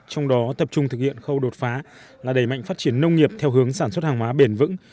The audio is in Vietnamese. trong đó tập trung thực hiện khâu đột phá là đẩy mạnh phát triển nông nghiệp theo hướng sản xuất hàng hóa bền vững